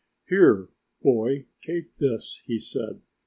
"Here, boy, take this," he said.